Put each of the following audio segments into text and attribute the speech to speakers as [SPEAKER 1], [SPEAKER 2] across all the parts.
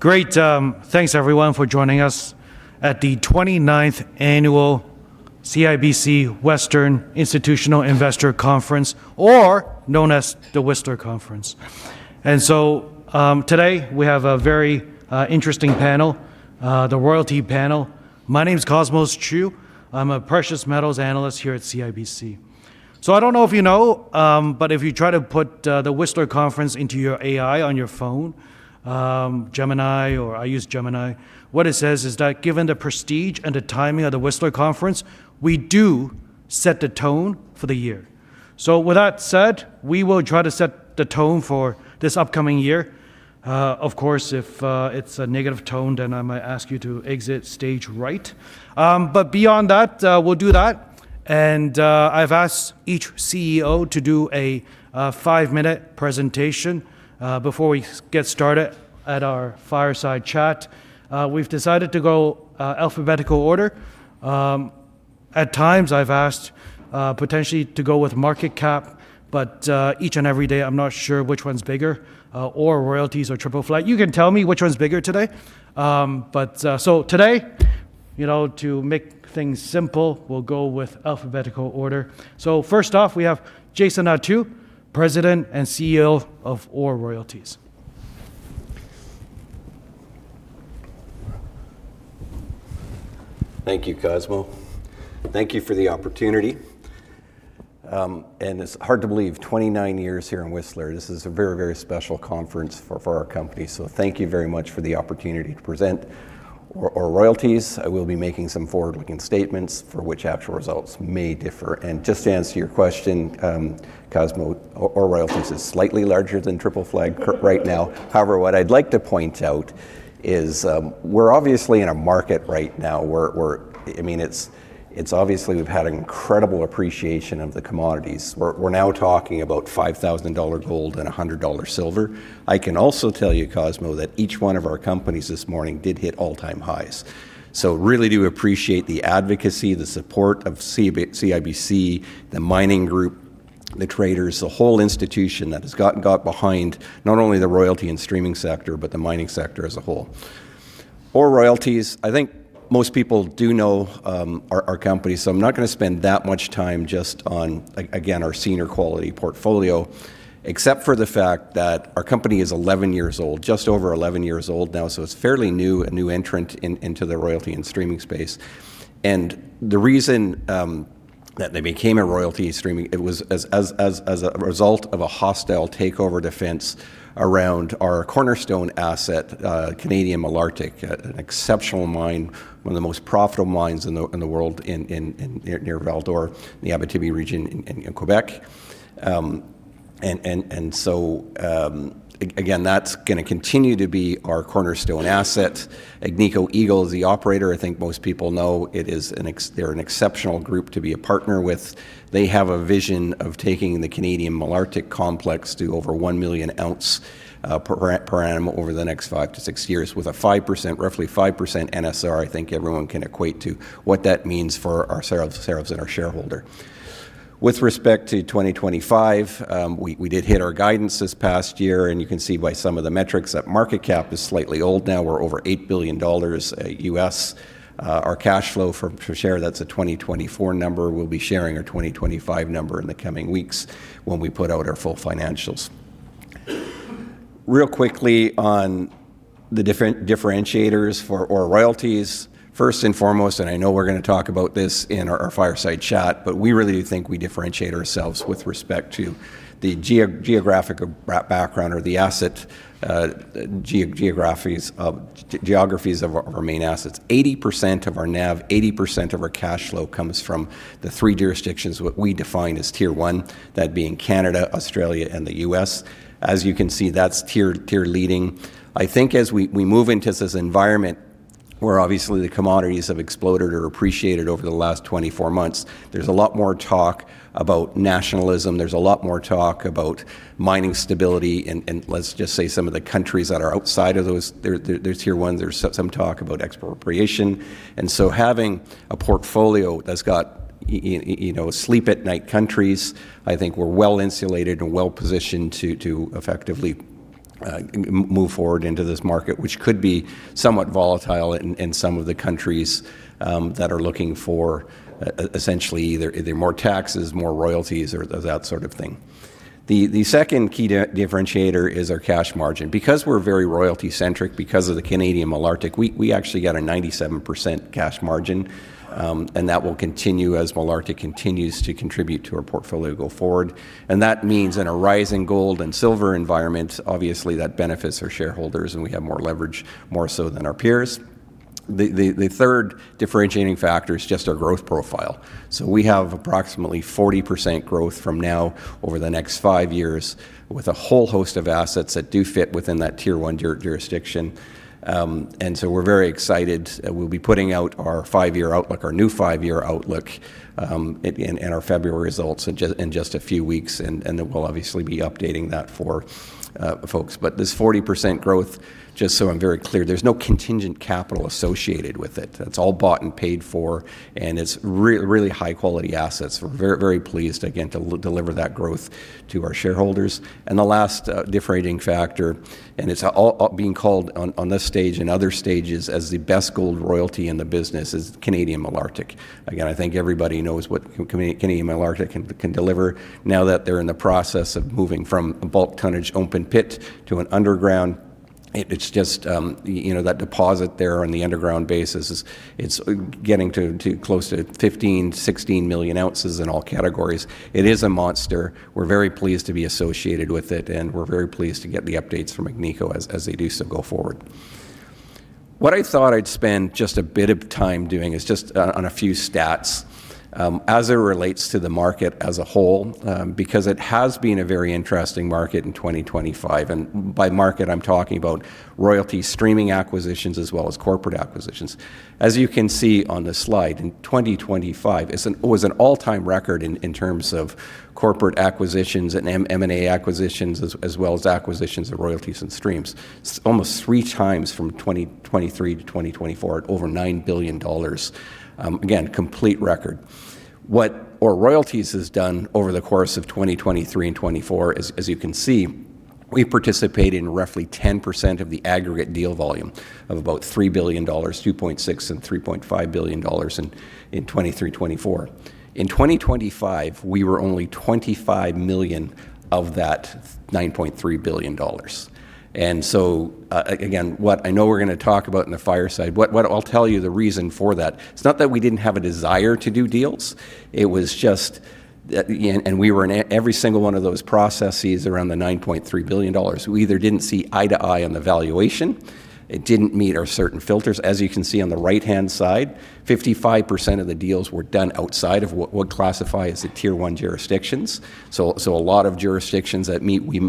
[SPEAKER 1] Great. Thanks, everyone, for joining us at the 29th Annual CIBC Western Institutional Investor Conference, or known as the Whistler Conference, and so today we have a very interesting panel, the royalty panel. My name is Cosmos Chiu. I'm a Precious Metals Analyst here at CIBC, so I don't know if you know, but if you try to put the Whistler Conference into your AI on your phone, Gemini, or I use Gemini, what it says is that given the prestige and the timing of the Whistler Conference, we do set the tone for the year, so with that said, we will try to set the tone for this upcoming year. Of course, if it's a negative tone, then I might ask you to exit stage right, but beyond that, we'll do that. I've asked each CEO to do a five-minute presentation before we get started at our fireside chat. We've decided to go alphabetical order. At times, I've asked potentially to go with market cap, but each and every day, I'm not sure which one's bigger, OR royalties or Triple Flag. You can tell me which one's bigger today. But so today, to make things simple, we'll go with alphabetical order. So first off, we have Jason Attew, President and CEO of OR royalties.
[SPEAKER 2] Thank you, Cosmos. Thank you for the opportunity. And it's hard to believe 29 years here in Whistler. This is a very, very special conference for our company. So thank you very much for the opportunity to present OR royalties. I will be making some forward-looking statements for which actual results may differ. And just to answer your question, Cosmos, OR royalties is slightly larger than Triple Flag right now. However, what I'd like to point out is we're obviously in a market right now where I mean, it's obviously we've had an incredible appreciation of the commodities. We're now talking about $5,000 gold and $100 silver. I can also tell you, Cosmos, that each one of our companies this morning did hit all-time highs. So I really do appreciate the advocacy, the support of CIBC, the mining group, the traders, the whole institution that has gotten behind not only the royalty and streaming sector, but the mining sector as a whole. OR royalties, I think most people do know our company. So I'm not going to spend that much time just on, again, our senior quality portfolio, except for the fact that our company is 11 years old, just over 11 years old now. So it's fairly new, a new entrant into the royalty and streaming space. And the reason that they became a royalty streaming, it was as a result of a hostile takeover defense around our cornerstone asset, Canadian Malartic, an exceptional mine, one of the most profitable mines in the world near Val-d'Or, the Abitibi region in Quebec. And so again, that's going to continue to be our cornerstone asset. Agnico Eagle is the operator. I think most people know they're an exceptional group to be a partner with. They have a vision of taking the Canadian Malartic Complex to over 1 million ounces per annum over the next five to six years with a 5%, roughly 5% NSR. I think everyone can equate to what that means for our sales and our shareholders. With respect to 2025, we did hit our guidance this past year. You can see by some of the metrics that market cap is slightly old now. We're over $8 billion. Our cash flow per share, that's a 2024 number. We'll be sharing our 2025 number in the coming weeks when we put out our full financials. Really quickly on the differentiators for OR royalties. First and foremost, and I know we're going to talk about this in our fireside chat, but we really do think we differentiate ourselves with respect to the geographic background or the asset geographies of our main assets. 80% of our NAV, 80% of our cash flow comes from the three jurisdictions what we define as Tier 1, that being Canada, Australia, and the U.S. As you can see, that's tier leading. I think as we move into this environment where obviously the commodities have exploded or appreciated over the last 24 months, there's a lot more talk about nationalism. There's a lot more talk about mining stability. And let's just say some of the countries that are outside of those Tier 1, there's some talk about expropriation. Having a portfolio that's got sleep at night countries, I think we're well insulated and well positioned to effectively move forward into this market, which could be somewhat volatile in some of the countries that are looking for essentially either more taxes, more royalties, or that sort of thing. The second key differentiator is our cash margin. Because we're very royalty-centric, because of the Canadian Malartic, we actually got a 97% cash margin. That will continue as Malartic continues to contribute to our portfolio go forward. That means in a rising gold and silver environment, obviously that benefits our shareholders and we have more leverage more so than our peers. The third differentiating factor is just our growth profile. We have approximately 40% growth from now over the next five years with a whole host of assets that do fit within that Tier 1 jurisdiction. We're very excited. We'll be putting out our five-year outlook, our new five-year outlook in our February results in just a few weeks. And then we'll obviously be updating that for folks. But this 40% growth, just so I'm very clear, there's no contingent capital associated with it. It's all bought and paid for. And it's really high-quality assets. We're very pleased, again, to deliver that growth to our shareholders. And the last differentiating factor, and it's being called on this stage and other stages as the best gold royalty in the business is Canadian Malartic. Again, I think everybody knows what Canadian Malartic can deliver now that they're in the process of moving from a bulk tonnage open pit to an underground. It's just that deposit there on the underground basis is getting to close to 15 million ounces-16 million ounces in all categories. It is a monster. We're very pleased to be associated with it, and we're very pleased to get the updates from Agnico as they do so go forward. What I thought I'd spend just a bit of time doing is just on a few stats as it relates to the market as a whole, because it has been a very interesting market in 2025. By market, I'm talking about royalty streaming acquisitions as well as corporate acquisitions. As you can see on the slide, in 2025, it was an all-time record in terms of corporate acquisitions and M&A acquisitions, as well as acquisitions of royalties and streams. It's almost three times from 2023 to 2024 at over $9 billion. Again, complete record. What OR royalties has done over the course of 2023 and 2024, as you can see, we participate in roughly 10% of the aggregate deal volume of about $3 billion, $2.6 and $3.5 billion in 2023-2024. In 2025, we were only $25 million of that $9.3 billion. And so again, what I know we're going to talk about in the fireside, what I'll tell you the reason for that, it's not that we didn't have a desire to do deals. It was just that we were in every single one of those processes around the $9.3 billion. We either didn't see eye to eye on the valuation. It didn't meet our certain filters. As you can see on the right-hand side, 55% of the deals were done outside of what we classify as the Tier 1 jurisdictions. So a lot of jurisdictions that we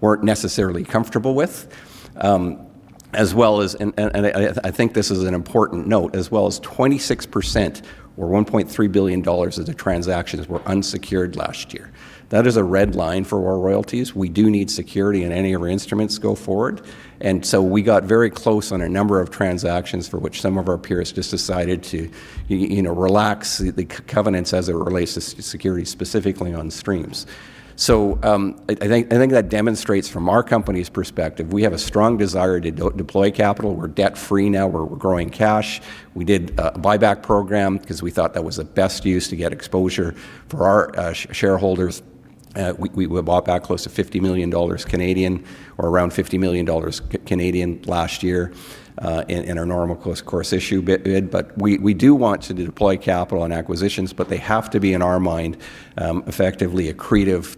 [SPEAKER 2] weren't necessarily comfortable with. As well as, and I think this is an important note, as well as 26% or $1.3 billion of the transactions were unsecured last year. That is a red line for OR royalties. We do need security in any of our instruments go forward. And so we got very close on a number of transactions for which some of our peers just decided to relax the covenants as it relates to security specifically on streams. So I think that demonstrates from our company's perspective, we have a strong desire to deploy capital. We're debt-free now. We're growing cash. We did a buyback program because we thought that was the best use to get exposure for our shareholders. We bought back close to 50 million Canadian dollars or around 50 million Canadian dollars last year in our normal course issuer bid. But we do want to deploy capital and acquisitions, but they have to be, in our mind, effectively accretive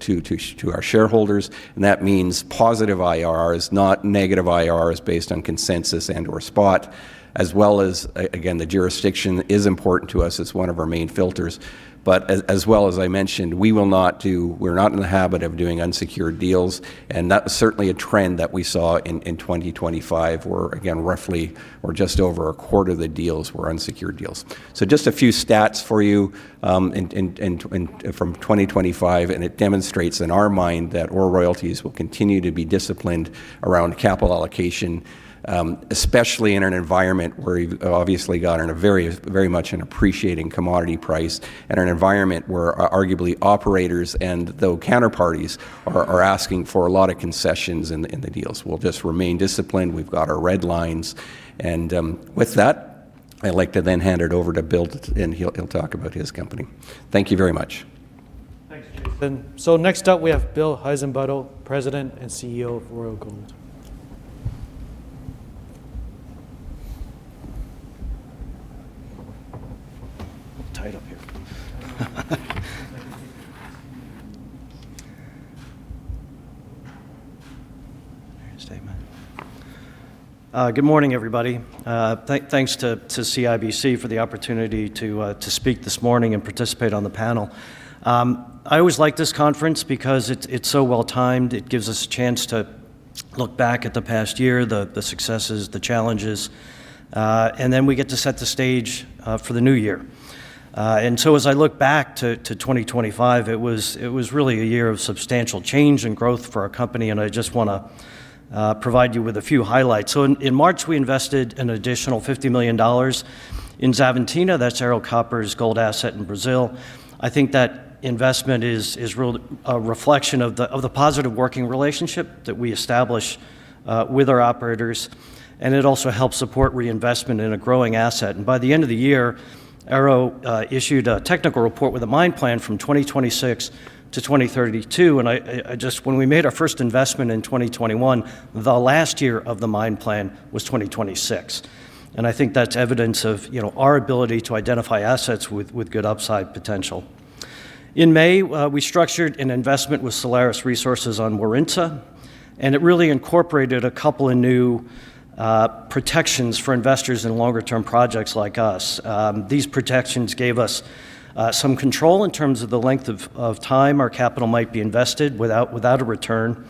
[SPEAKER 2] to our shareholders. And that means positive IRRs, not negative IRRs based on consensus and/or spot, as well as, again, the jurisdiction is important to us. It's one of our main filters. But as well as I mentioned, we will not do, we're not in the habit of doing unsecured deals. And that was certainly a trend that we saw in 2025, where again, roughly or just over a quarter of the deals were unsecured deals. So just a few stats for you from 2025. And it demonstrates in our mind that OR royalties will continue to be disciplined around capital allocation, especially in an environment where we've obviously gotten very much an appreciating commodity price and an environment where arguably operators and other counterparties are asking for a lot of concessions in the deals. We'll just remain disciplined. We've got our red lines. And with that, I'd like to then hand it over to Bill, and he'll talk about his company. Thank you very much.
[SPEAKER 3] Thanks, Jason. So next up, we have Bill Heissenbuttel, President and CEO of Royal Gold. Good morning, everybody. Thanks to CIBC for the opportunity to speak this morning and participate on the panel. I always like this conference because it's so well timed. It gives us a chance to look back at the past year, the successes, the challenges. And then we get to set the stage for the new year. And so as I look back to 2025, it was really a year of substantial change and growth for our company. And I just want to provide you with a few highlights. So in March, we invested an additional $50 million in Xavantina. That's Ero Copper's gold asset in Brazil. I think that investment is a reflection of the positive working relationship that we establish with our operators. And it also helps support reinvestment in a growing asset. By the end of the year, Ero issued a technical report with a mine plan from 2026 to 2032. Just when we made our first investment in 2021, the last year of the mine plan was 2026. I think that's evidence of our ability to identify assets with good upside potential. In May, we structured an investment with Solaris Resources on Warintza. It really incorporated a couple of new protections for investors in longer-term projects like us. These protections gave us some control in terms of the length of time our capital might be invested without a return.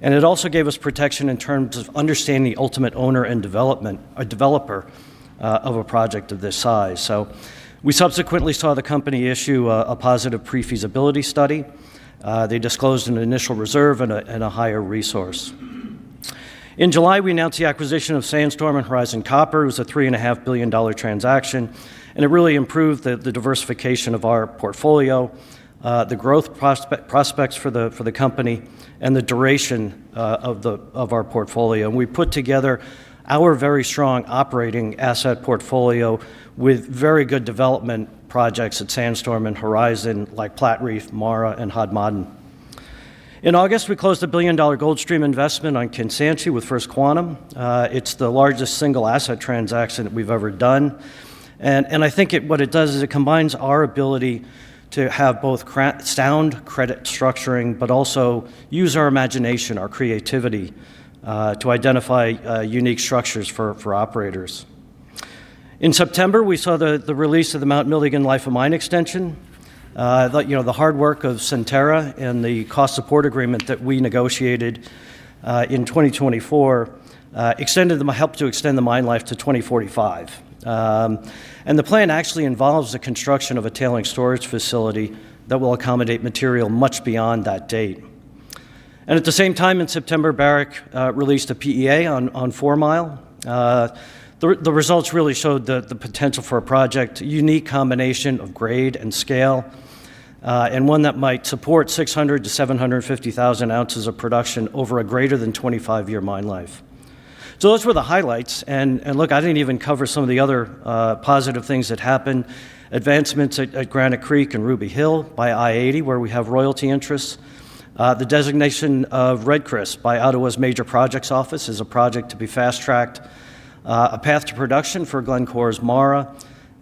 [SPEAKER 3] It also gave us protection in terms of understanding the ultimate owner and development or developer of a project of this size. We subsequently saw the company issue a positive pre-feasibility study. They disclosed an initial reserve and a higher resource. In July, we announced the acquisition of Sandstorm and Horizon Copper. It was a $3.5 billion transaction, and it really improved the diversification of our portfolio, the growth prospects for the company, and the duration of our portfolio, and we put together our very strong operating asset portfolio with very good development projects at Sandstorm and Horizon like Platreef, Mara, and Hod Maden. In August, we closed a $1-billion gold stream investment on Kansanshi with First Quantum. It's the largest single asset transaction that we've ever done, and I think what it does is it combines our ability to have both sound credit structuring, but also use our imagination, our creativity to identify unique structures for operators. In September, we saw the release of the Mount Milligan Life of Mine extension. The hard work of Centerra and the cost support agreement that we negotiated in 2024 helped to extend the mine life to 2045. And the plan actually involves the construction of a tailings storage facility that will accommodate material much beyond that date. And at the same time, in September, Barrick released a PEA on Fourmile. The results really showed the potential for a project, unique combination of grade and scale, and one that might support 600-750,000 ounces of production over a greater than 25-year mine life. So those were the highlights. And look, I didn't even cover some of the other positive things that happened. Advancements at Granite Creek and Ruby Hill by i-80, where we have royalty interests. The designation of Red Chris by Ottawa's Major Projects Office is a project to be fast-tracked, a path to production for Glencore's Mara,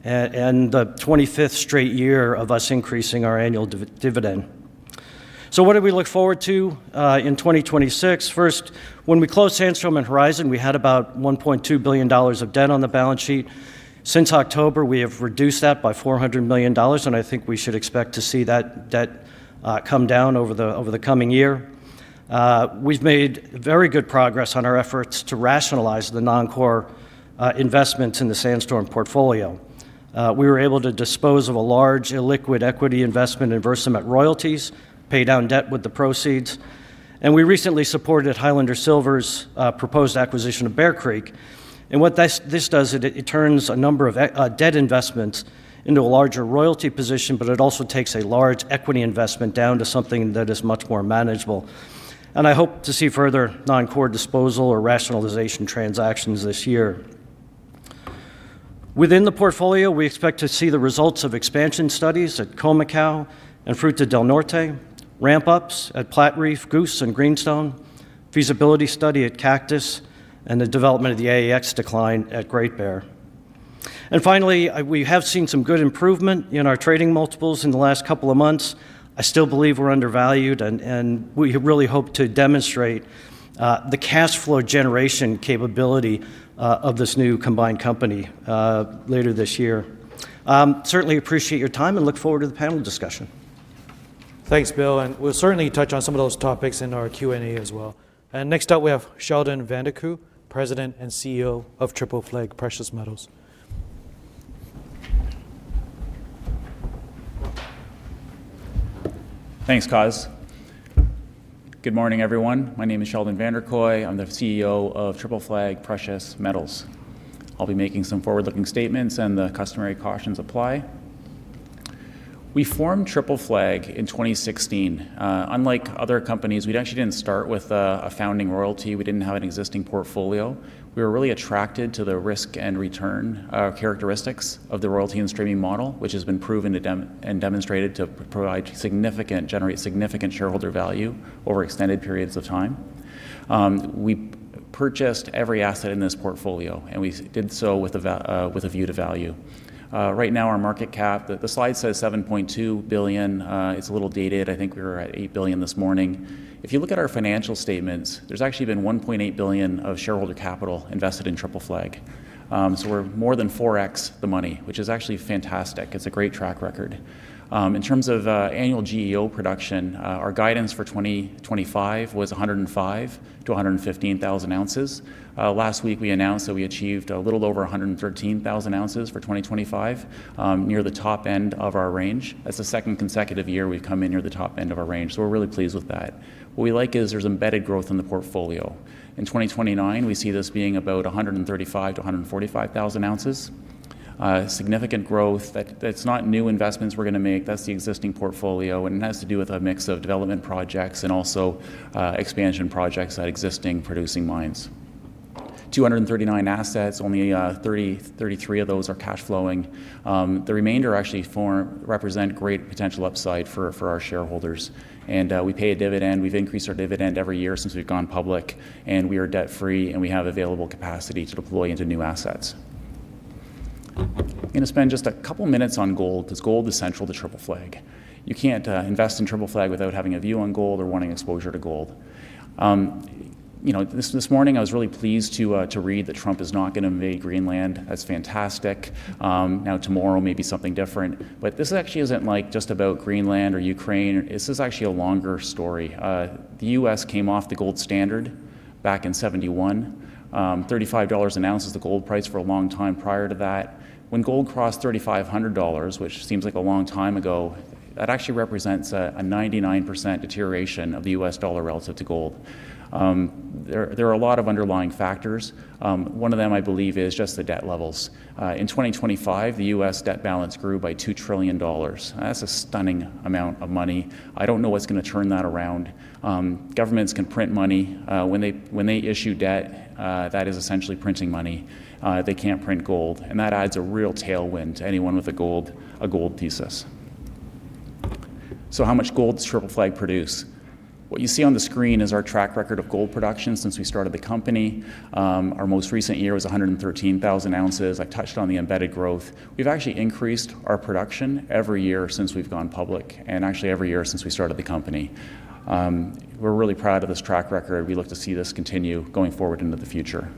[SPEAKER 3] and the 25th straight year of us increasing our annual dividend. What do we look forward to in 2026? First, when we closed Sandstorm and Horizon, we had about $1.2 billion of debt on the balance sheet. Since October, we have reduced that by $400 million. I think we should expect to see that come down over the coming year. We've made very good progress on our efforts to rationalize the non-core investments in the Sandstorm portfolio. We were able to dispose of a large illiquid equity investment in Versamet Royalties, pay down debt with the proceeds. We recently supported Highlander Silver's proposed acquisition of Bear Creek. What this does, it turns a number of debt investments into a larger royalty position, but it also takes a large equity investment down to something that is much more manageable. I hope to see further non-core disposal or rationalization transactions this year. Within the portfolio, we expect to see the results of expansion studies at Khoemacau and Fruta del Norte, ramp-ups at Platreef, Goose, and Greenstone, feasibility study at Cactus, and the development of the AEX decline at Great Bear. Finally, we have seen some good improvement in our trading multiples in the last couple of months. I still believe we're undervalued. We really hope to demonstrate the cash flow generation capability of this new combined company later this year. Certainly appreciate your time and look forward to the panel discussion.
[SPEAKER 1] Thanks, Bill. And we'll certainly touch on some of those topics in our Q&A as well. And next up, we have Sheldon Vanderkooy, President and CEO of Triple Flag Precious Metals.
[SPEAKER 4] Thanks, guys. Good morning, everyone. My name is Sheldon Vanderkooy. I'm the CEO of Triple Flag Precious Metals. I'll be making some forward-looking statements, and the customary cautions apply. We formed Triple Flag in 2016. Unlike other companies, we actually didn't start with a founding royalty. We didn't have an existing portfolio. We were really attracted to the risk and return characteristics of the royalty and streaming model, which has been proven and demonstrated to generate significant shareholder value over extended periods of time. We purchased every asset in this portfolio, and we did so with a view to value. Right now, our market cap, the slide says $7.2 billion. It's a little dated. I think we were at $8 billion this morning. If you look at our financial statements, there's actually been $1.8 billion of shareholder capital invested in Triple Flag. So we're more than 4x the money, which is actually fantastic. It's a great track record. In terms of annual GEO production, our guidance for 2025 was 105,000-115,000 ounces. Last week, we announced that we achieved a little over 113,000 ounces for 2025, near the top end of our range. That's the second consecutive year we've come in near the top end of our range. So we're really pleased with that. What we like is there's embedded growth in the portfolio. In 2029, we see this being about 135,000-145,000 ounces. Significant growth. That's not new investments we're going to make. That's the existing portfolio. And it has to do with a mix of development projects and also expansion projects at existing producing mines. 239 assets, only 33 of those are cash flowing. The remainder actually represent great potential upside for our shareholders. We pay a dividend. We've increased our dividend every year since we've gone public. We are debt-free, and we have available capacity to deploy into new assets. I'm going to spend just a couple of minutes on gold because gold is central to Triple Flag. You can't invest in Triple Flag without having a view on gold or wanting exposure to gold. This morning, I was really pleased to read that Trump is not going to invade Greenland. That's fantastic. Now, tomorrow may be something different. This actually isn't just about Greenland or Ukraine. This is actually a longer story. The U.S. came off the gold standard back in 1971. $35 an ounce was the gold price for a long time prior to that. When gold crossed $3,500, which seems like a long time ago, that actually represents a 99% deterioration of the U.S. dollar relative to gold. There are a lot of underlying factors. One of them, I believe, is just the debt levels. In 2025, the U.S. debt balance grew by $2 trillion. That's a stunning amount of money. I don't know what's going to turn that around. Governments can print money. When they issue debt, that is essentially printing money. They can't print gold. And that adds a real tailwind to anyone with a gold thesis. So how much gold does Triple Flag produce? What you see on the screen is our track record of gold production since we started the company. Our most recent year was 113,000 ounces. I touched on the embedded growth. We've actually increased our production every year since we've gone public and actually every year since we started the company. We're really proud of this track record. We look to see this continue going forward into the future.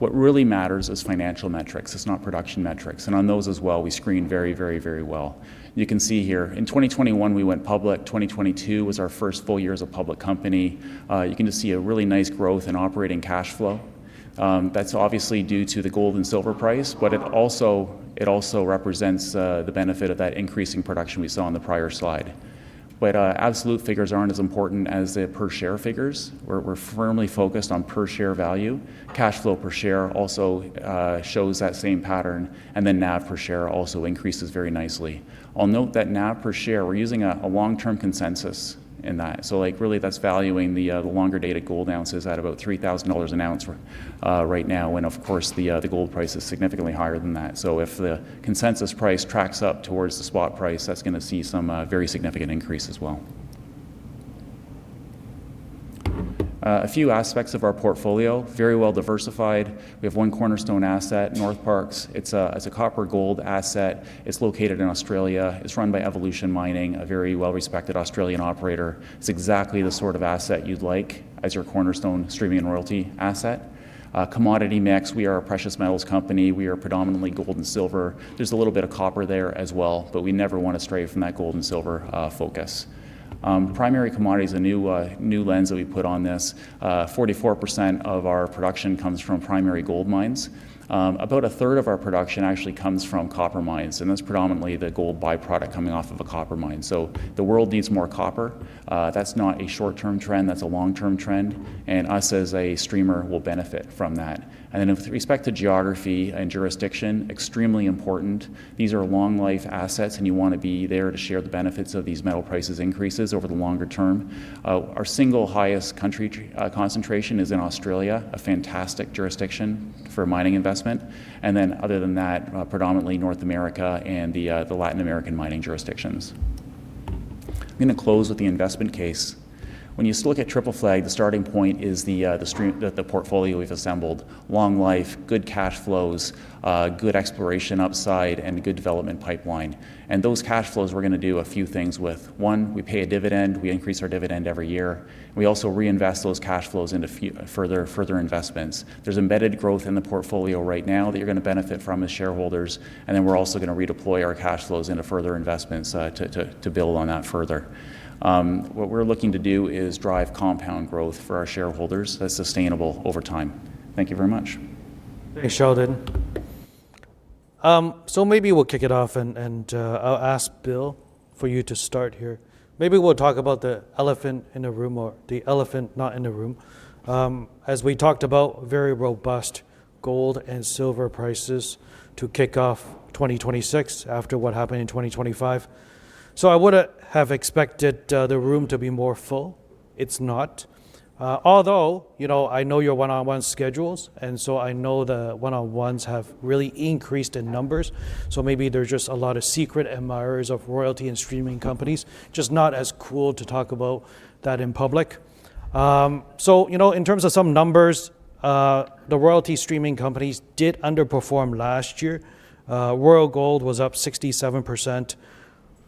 [SPEAKER 4] What really matters is financial metrics. It's not production metrics. And on those as well, we've grown very, very, very well. You can see here, in 2021, we went public. 2022 was our first full year as a public company. You can just see a really nice growth in operating cash flow. That's obviously due to the gold and silver price, but it also represents the benefit of that increasing production we saw on the prior slide. But absolute figures aren't as important as the per-share figures. We're firmly focused on per-share value. Cash flow per share also shows that same pattern. And then NAV per share also increases very nicely. I'll note that NAV per share, we're using a long-term consensus in that. So really, that's valuing the longer-dated gold ounces at about $3,000 an ounce right now. And of course, the gold price is significantly higher than that. So if the consensus price tracks up towards the spot price, that's going to see some very significant increase as well. A few aspects of our portfolio, very well diversified. We have one cornerstone asset, Northparkes. It's a copper-gold asset. It's located in Australia. It's run by Evolution Mining, a very well-respected Australian operator. It's exactly the sort of asset you'd like as your cornerstone streaming and royalty asset. Commodity mix, we are a precious metals company. We are predominantly gold and silver. There's a little bit of copper there as well, but we never want to stray from that gold and silver focus. Primary commodity is a new lens that we put on this. 44% of our production comes from primary gold mines. About a third of our production actually comes from copper mines. And that's predominantly the gold byproduct coming off of a copper mine. So the world needs more copper. That's not a short-term trend. That's a long-term trend. And us as a streamer will benefit from that. And then with respect to geography and jurisdiction, extremely important. These are long-life assets, and you want to be there to share the benefits of these metal prices increases over the longer term. Our single highest country concentration is in Australia, a fantastic jurisdiction for mining investment. And then other than that, predominantly North America and the Latin American mining jurisdictions. I'm going to close with the investment case. When you look at Triple Flag, the starting point is the portfolio we've assembled: long life, good cash flows, good exploration upside, and good development pipeline. And those cash flows, we're going to do a few things with. One, we pay a dividend. We increase our dividend every year. We also reinvest those cash flows into further investments. There's embedded growth in the portfolio right now that you're going to benefit from as shareholders. And then we're also going to redeploy our cash flows into further investments to build on that further. What we're looking to do is drive compound growth for our shareholders that's sustainable over time. Thank you very much.
[SPEAKER 1] Thanks, Sheldon. So maybe we'll kick it off, and I'll ask Bill for you to start here. Maybe we'll talk about the elephant in the room or the elephant not in the room. As we talked about, very robust gold and silver prices to kick off 2026 after what happened in 2025. I would have expected the room to be more full. It's not. Although I know your one-on-one schedules, and so I know the one-on-ones have really increased in numbers. Maybe there's just a lot of secret admirers of royalty and streaming companies, just not as cool to talk about that in public. In terms of some numbers, the royalty streaming companies did underperform last year. Royal Gold was up 67%.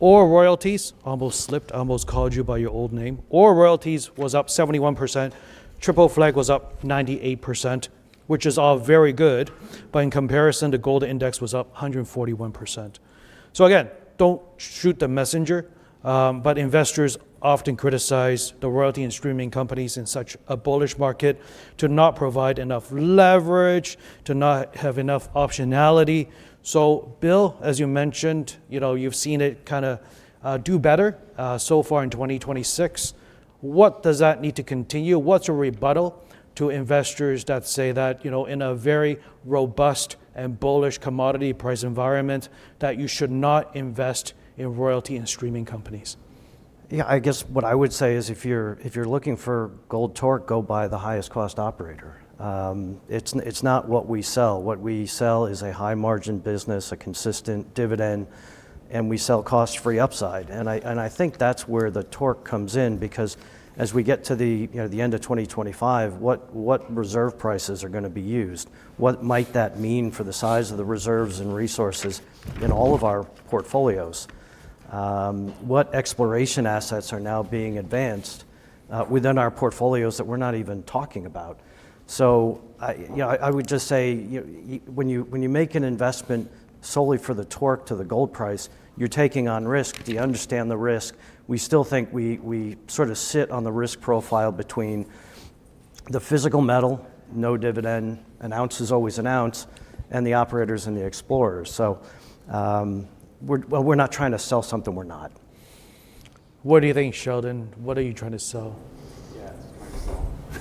[SPEAKER 1] OR Royalties almost slipped. Almost called you by your old name. OR Royalties was up 71%. Triple Flag was up 98%, which is all very good. But in comparison, the gold index was up 141%. So again, don't shoot the messenger. But investors often criticize the royalty and streaming companies in such a bullish market to not provide enough leverage, to not have enough optionality. So Bill, as you mentioned, you've seen it kind of do better so far in 2026. What does that need to continue? What's a rebuttal to investors that say that in a very robust and bullish commodity price environment that you should not invest in royalty and streaming companies?
[SPEAKER 3] Yeah, I guess what I would say is if you're looking for gold torque, go buy the highest cost operator. It's not what we sell. What we sell is a high-margin business, a consistent dividend, and we sell cost-free upside. And I think that's where the torque comes in because as we get to the end of 2025, what reserve prices are going to be used? What might that mean for the size of the reserves and resources in all of our portfolios? What exploration assets are now being advanced within our portfolios that we're not even talking about? So I would just say when you make an investment solely for the torque to the gold price, you're taking on risk. Do you understand the risk? We still think we sort of sit on the risk profile between the physical metal, no dividend, an ounce is always an ounce, and the operators and the explorers. So we're not trying to sell something we're not.
[SPEAKER 1] What do you think, Sheldon? What are you trying to sell?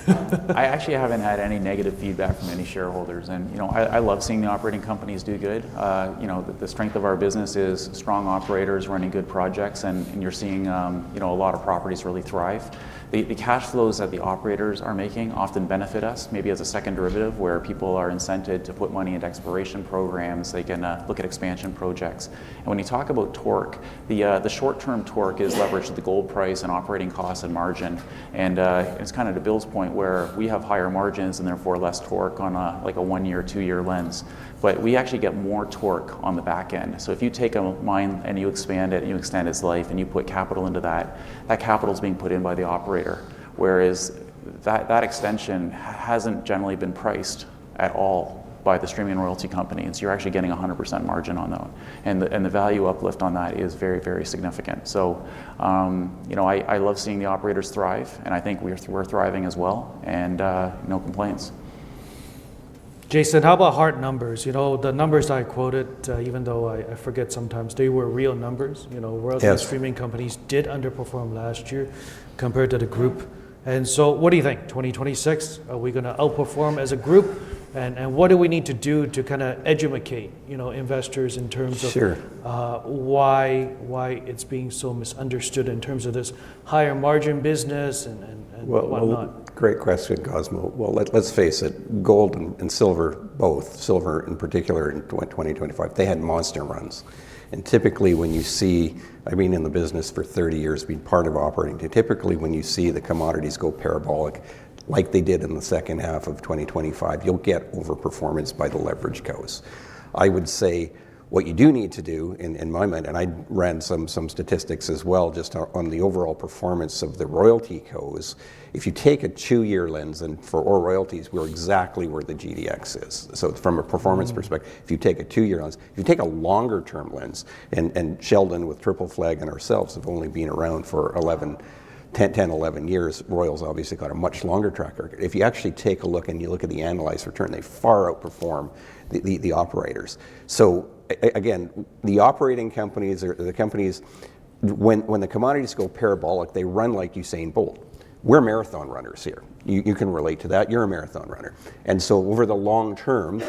[SPEAKER 4] I actually haven't had any negative feedback from any shareholders, and I love seeing the operating companies do good. The strength of our business is strong operators running good projects, and you're seeing a lot of properties really thrive. The cash flows that the operators are making often benefit us, maybe as a second derivative where people are incented to put money into exploration programs. They can look at expansion projects, and when you talk about torque, the short-term torque is leveraged to the gold price and operating costs and margin. It's kind of to Bill's point where we have higher margins and therefore less torque on a one-year, two-year lens, but we actually get more torque on the back end. If you take a mine and you expand it and you extend its life and you put capital into that, that capital is being put in by the operator. Whereas that extension hasn't generally been priced at all by the streaming and royalty companies. You're actually getting a 100% margin on them. The value uplift on that is very, very significant. I love seeing the operators thrive. I think we're thriving as well. No complaints.
[SPEAKER 1] Jason, how about hard numbers? The numbers I quoted, even though I forget sometimes, they were real numbers. Royalty streaming companies did underperform last year compared to the group. And so what do you think? 2026, are we going to outperform as a group? And what do we need to do to kind of educate investors in terms of why it's being so misunderstood in terms of this higher margin business and whatnot?
[SPEAKER 2] Well, great question, Cosmo. Well, let's face it, gold and silver, both silver in particular in 2025, they had monster runs. And typically when you see, I've been in the business for 30 years, been part of operating, typically when you see the commodities go parabolic like they did in the second half of 2025, you'll get overperformance by the leverage cos. I would say what you do need to do in my mind, and I ran some statistics as well just on the overall performance of the royalty cos, if you take a two-year lens for all royalties, we're exactly where the GDX is. So from a performance perspective, if you take a two-year lens, if you take a longer-term lens, and Sheldon with Triple Flag and ourselves have only been around for 10, 11 years, royals obviously got a much longer track record. If you actually take a look and you look at the analyzed return, they far outperform the operators. So again, the operating companies, when the commodities go parabolic, they run like Usain Bolt. We're marathon runners here. You can relate to that. You're a marathon runner. And so over the long term,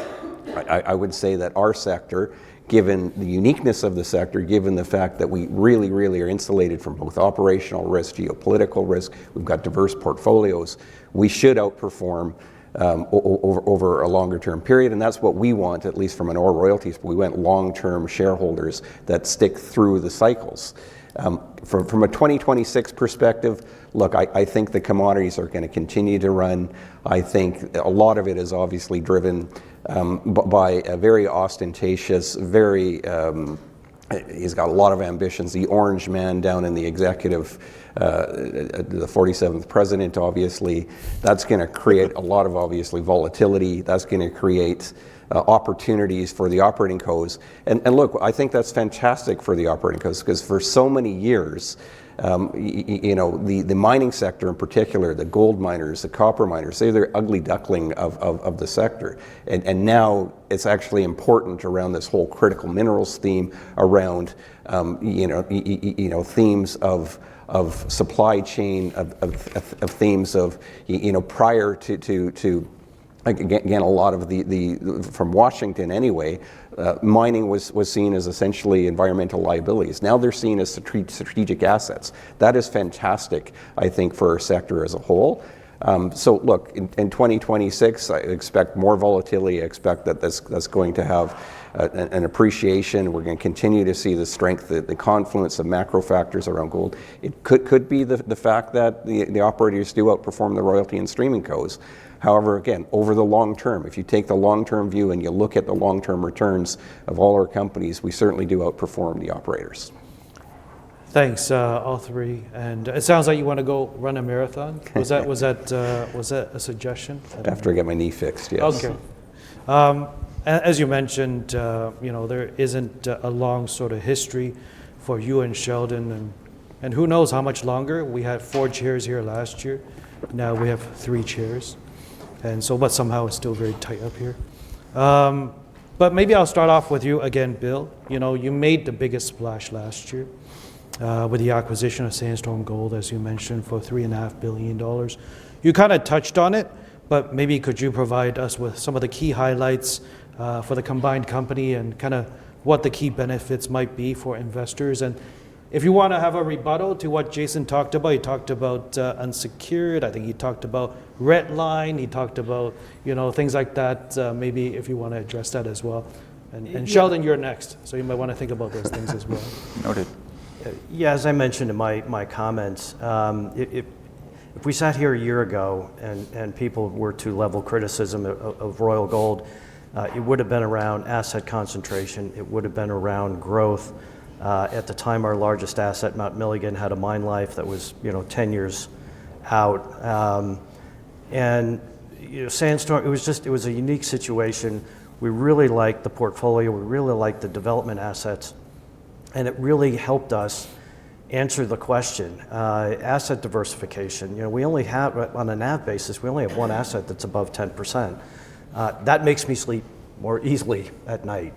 [SPEAKER 2] I would say that our sector, given the uniqueness of the sector, given the fact that we really, really are insulated from both operational risk, geopolitical risk, we've got diverse portfolios, we should outperform over a longer-term period. And that's what we want, at least from an all royalties. We want long-term shareholders that stick through the cycles. From a 2026 perspective, look, I think the commodities are going to continue to run. I think a lot of it is obviously driven by a very ostentatious, very he's got a lot of ambitions. The orange man down in the executive, the 47th President, obviously, that's going to create a lot of volatility. That's going to create opportunities for the operating costs. And look, I think that's fantastic for the operating costs because for so many years, the mining sector in particular, the gold miners, the copper miners, they're the ugly duckling of the sector. And now it's actually important around this whole critical minerals theme, around themes of supply chain, of themes of prior to, again, a lot of the from Washington anyway, mining was seen as essentially environmental liabilities. Now they're seen as strategic assets. That is fantastic, I think, for our sector as a whole. So look, in 2026, I expect more volatility. I expect that that's going to have an appreciation. We're going to continue to see the strength, the confluence of macro factors around gold. It could be the fact that the operators do outperform the royalty and streaming costs. However, again, over the long term, if you take the long-term view and you look at the long-term returns of all our companies, we certainly do outperform the operators.
[SPEAKER 1] Thanks, all three. It sounds like you want to go run a marathon. Was that a suggestion?
[SPEAKER 2] After I get my knee fixed, yes.
[SPEAKER 1] Okay. As you mentioned, there isn't a long sort of history for you and Sheldon. And who knows how much longer? We had four chairs here last year. Now we have three chairs. And so, but somehow it's still very tight up here. But maybe I'll start off with you again, Bill. You made the biggest splash last year with the acquisition of Sandstorm Gold, as you mentioned, for $3.5 billion. You kind of touched on it, but maybe could you provide us with some of the key highlights for the combined company and kind of what the key benefits might be for investors? And if you want to have a rebuttal to what Jason talked about, he talked about unsecured. I think he talked about red line. He talked about things like that, maybe if you want to address that as well. And Sheldon, you're next. So you might want to think about those things as well.
[SPEAKER 3] Noted. Yeah, as I mentioned in my comments, if we sat here a year ago and people were to level criticism of Royal Gold, it would have been around asset concentration. It would have been around growth. At the time, our largest asset, Mount Milligan, had a mine life that was 10 years out. And Sandstorm, it was a unique situation. We really liked the portfolio. We really liked the development assets. And it really helped us answer the question, asset diversification. On a NAV basis, we only have one asset that's above 10%. That makes me sleep more easily at night.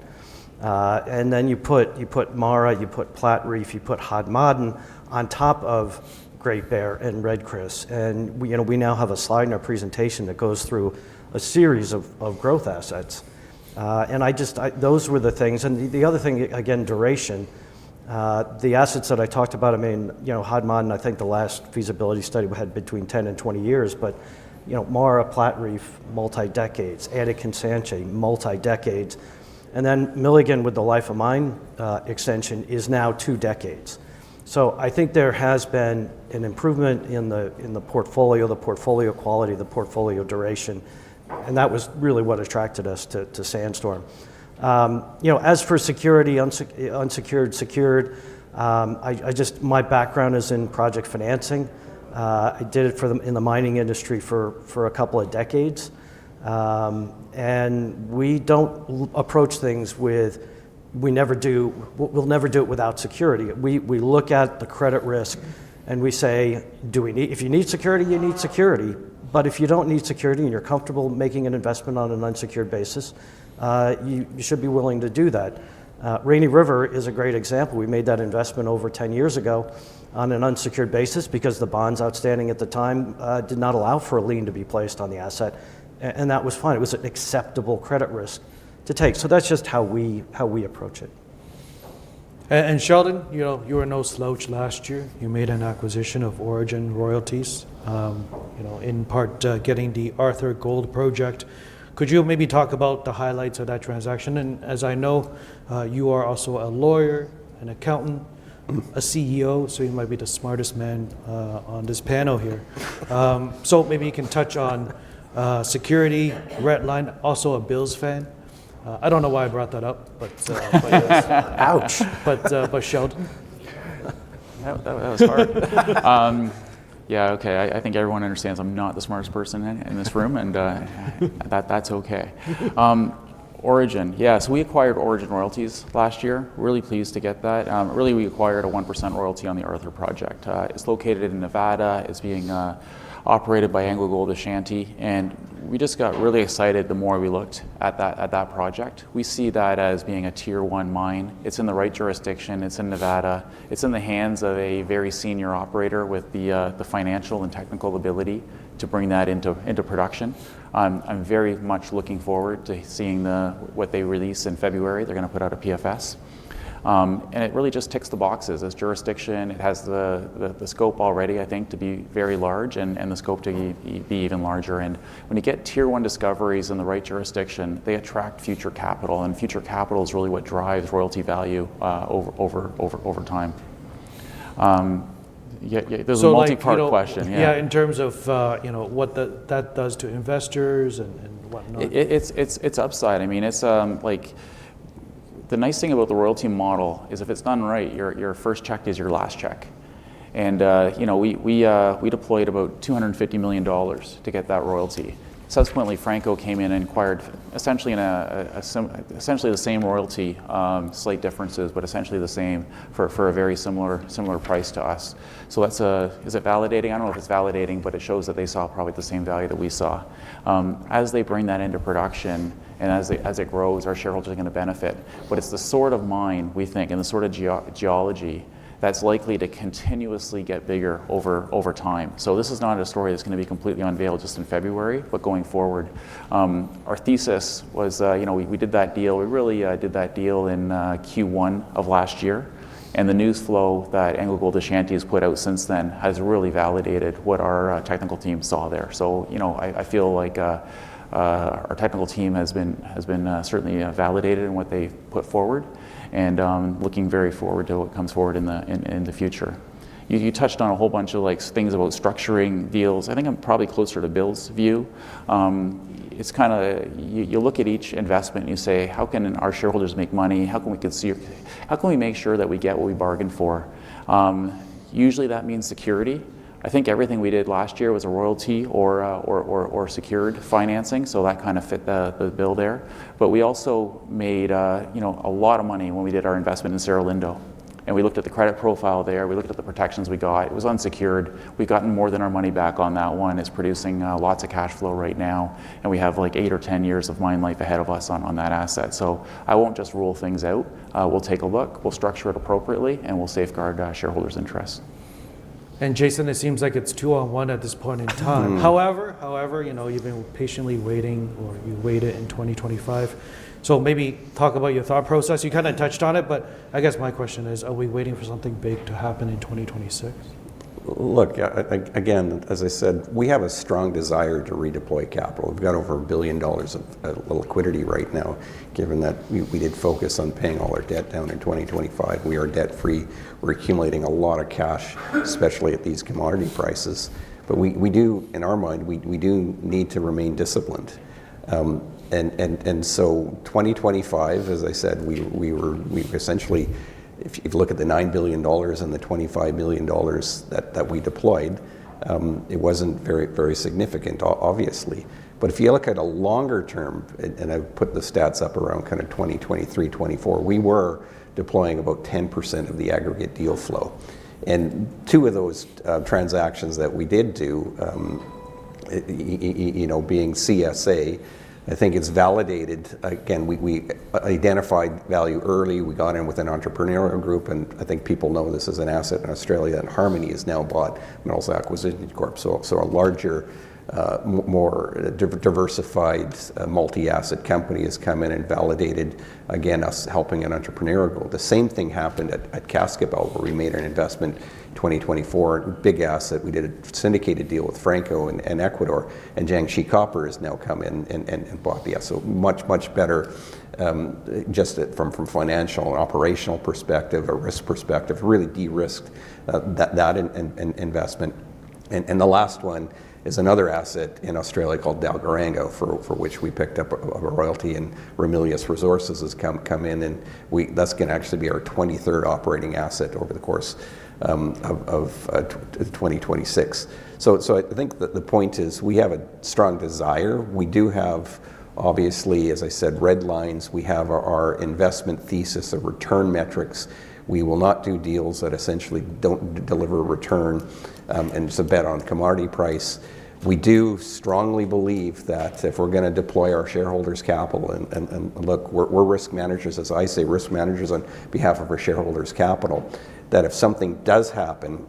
[SPEAKER 3] And then you put Mara, you put Platreef, you put Hod Maden on top of Great Bear and Red Chris. And we now have a slide in our presentation that goes through a series of growth assets. And those were the things. And the other thing, again, duration. The assets that I talked about, I mean, Hod Maden, I think the last feasibility study we had between 10 and 20 years. But Mara, Platreef, multi-decades, Attican Sanchez, multi-decades. And then Milligan with the life of mine extension is now two decades. So I think there has been an improvement in the portfolio, the portfolio quality, the portfolio duration. And that was really what attracted us to Sandstorm. As for security, unsecured, secured, my background is in project financing. I did it in the mining industry for a couple of decades. And we don't approach things with we'll never do it without security. We look at the credit risk and we say, if you need security, you need security. But if you don't need security and you're comfortable making an investment on an unsecured basis, you should be willing to do that. Rainy River is a great example. We made that investment over 10 years ago on an unsecured basis because the bonds outstanding at the time did not allow for a lien to be placed on the asset, and that was fine. It was an acceptable credit risk to take, so that's just how we approach it.
[SPEAKER 1] And Sheldon, you were no slouch last year. You made an acquisition of Orogen Royalties, in part getting the Arthur Gold Project. Could you maybe talk about the highlights of that transaction? And as I know, you are also a lawyer, an accountant, a CEO, so you might be the smartest man on this panel here. So maybe you can touch on security, red line, also a Bills fan. I don't know why I brought that up, but yes.
[SPEAKER 2] Ouch.
[SPEAKER 3] But Sheldon.
[SPEAKER 4] That was hard. Yeah, okay. I think everyone understands I'm not the smartest person in this room, and that's okay. Orogen, yes. We acquired Orogen Royalties last year. Really pleased to get that. Really, we acquired a 1% royalty on the Arthur Project. It's located in Nevada. It's being operated by AngloGold Ashanti. And we just got really excited the more we looked at that project. We see that as being a Tier 1 mine. It's in the right jurisdiction. It's in Nevada. It's in the hands of a very senior operator with the financial and technical ability to bring that into production. I'm very much looking forward to seeing what they release in February. They're going to put out a PFS. And it really just ticks the boxes as jurisdiction. It has the scope already, I think, to be very large and the scope to be even larger. And when you get Tier 1 discoveries in the right jurisdiction, they attract future capital. And future capital is really what drives royalty value over time. There's a multipart question.
[SPEAKER 1] In terms of what that does to investors and whatnot.
[SPEAKER 4] It's upside. I mean, the nice thing about the royalty model is if it's done right, your first check is your last check. And we deployed about $250 million to get that royalty. Subsequently, Franco came in and acquired essentially the same royalty, slight differences, but essentially the same for a very similar price to us. So is it validating? I don't know if it's validating, but it shows that they saw probably the same value that we saw. As they bring that into production and as it grows, our shareholders are going to benefit. But it's the sort of mine, we think, and the sort of geology that's likely to continuously get bigger over time. So this is not a story that's going to be completely unveiled just in February, but going forward. Our thesis was we did that deal. We really did that deal in Q1 of last year, and the news flow that AngloGold Ashanti has put out since then has really validated what our technical team saw there, so I feel like our technical team has been certainly validated in what they put forward and looking very forward to what comes forward in the future. You touched on a whole bunch of things about structuring deals. I think I'm probably closer to Bill's view. It's kind of you look at each investment and you say, how can our shareholders make money? How can we make sure that we get what we bargained for? Usually, that means security. I think everything we did last year was a royalty or secured financing, so that kind of fit the bill there, but we also made a lot of money when we did our investment in Cerro Lindo. And we looked at the credit profile there. We looked at the protections we got. It was unsecured. We've gotten more than our money back on that one. It's producing lots of cash flow right now. And we have like eight or 10 years of mine life ahead of us on that asset. So I won't just rule things out. We'll take a look. We'll structure it appropriately, and we'll safeguard shareholders' interests.
[SPEAKER 1] Jason, it seems like it's two on one at this point in time. However, you've been patiently waiting or you waited in 2025. Maybe talk about your thought process. You kind of touched on it, but I guess my question is, are we waiting for something big to happen in 2026?
[SPEAKER 2] Look, again, as I said, we have a strong desire to redeploy capital. We've got over $1 billion of liquidity right now, given that we did focus on paying all our debt down in 2025. We are debt-free. We're accumulating a lot of cash, especially at these commodity prices. But in our mind, we do need to remain disciplined, and so 2025, as I said, we essentially, if you look at the $9 billion and the $25 million that we deployed, it wasn't very significant, obviously, but if you look at a longer term, and I put the stats up around kind of 2023, 2024, we were deploying about 10% of the aggregate deal flow, and two of those transactions that we did do, being CSA, I think it's validated. Again, we identified value early. We got in with an entrepreneurial group, and I think people know this is an asset in Australia, and Harmony has now bought it, and also Metals Acquisition Corp. A larger, more diversified multi-asset company has come in and validated, again, us helping an entrepreneurial goal. The same thing happened at Cascabel, where we made an investment in 2024, big asset. We did a syndicated deal with Franco and Ecuador, and Jiangxi Copper has now come in and bought the asset. Much, much better just from a financial and operational perspective, a risk perspective, really de-risked that investment. The last one is another asset in Australia called Dalgaranga, for which we picked up a royalty. Ramelius Resources has come in, and that's going to actually be our 23rd operating asset over the course of 2026. I think the point is we have a strong desire. We do have, obviously, as I said, red lines. We have our investment thesis of return metrics. We will not do deals that essentially don't deliver a return and it's a bet on commodity price. We do strongly believe that if we're going to deploy our shareholders' capital, and look, we're risk managers, as I say, risk managers on behalf of our shareholders' capital, that if something does happen